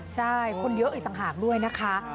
ใช่คนเยอะอีกต่างหากด้วยนะคะ